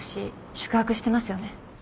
宿泊してますよね？